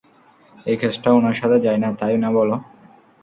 এই কাজটা ওনার সাথে যায় না, তাই না বলো?